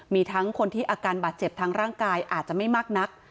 มีทั้งคนที่อาการบาดเจ็บทางร่างกายอาจจะไม่มากนัก